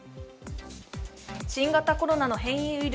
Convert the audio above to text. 新型コロナの変異ウイル